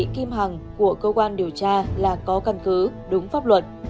xâm hẳn của cơ quan điều tra là có căn cứ đúng pháp luật